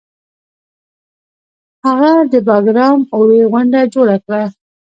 هغه د باګرام اوویی غونډه جوړه کړه